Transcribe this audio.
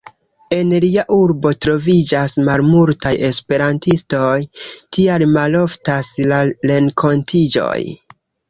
En lia urbo troviĝas malmultaj esperantistoj, tial maloftas la renkontiĝoj.